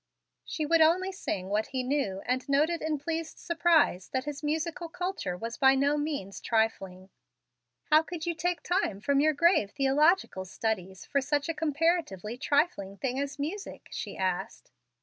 She would only sing what he knew, and noted in pleased surprise that his musical culture was by no means trifling. "How could you take time from your grave theological studies for such a comparatively trifling thing as music?" she asked.